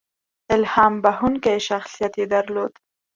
• الهام بښونکی شخصیت یې درلود.